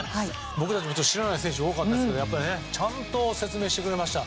僕たちも知らない選手が多かったですけどやっぱりちゃんと説明してくれました。